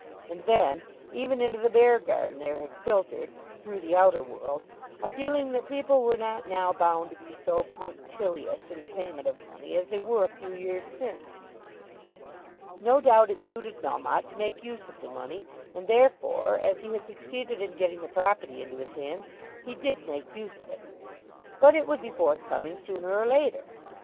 And then, even into the Beargarden there had filtered, through the outer world, a feeling that people were not now bound to be so punctilious in the paying of money as they were a few years since. No doubt it suited Melmotte to make use of the money, and therefore, as he had succeeded in getting the property into his hands, he did make use of it. But it would be forthcoming sooner or later!